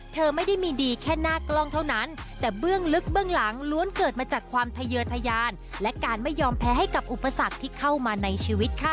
เธอไม่ได้มีดีแค่หน้ากล้องเท่านั้นแต่เบื้องลึกเบื้องหลังล้วนเกิดมาจากความทะเยอร์ทะยานและการไม่ยอมแพ้ให้กับอุปสรรคที่เข้ามาในชีวิตค่ะ